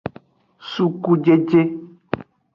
Sukujeje.